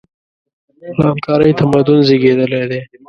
له همکارۍ تمدن زېږېدلی دی.